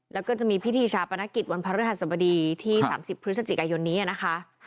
แล้วก็จะมีพิธีชาปนกิจวันพระฤหัสบดีที่๓๐พฤศจิกายนนี้นะคะ